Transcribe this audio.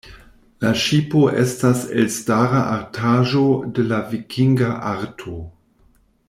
La ŝipo estas elstara artaĵo de la vikinga arto.